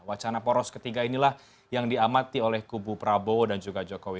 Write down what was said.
wacana poros ketiga inilah yang diamati oleh kubu prabowo dan juga jokowi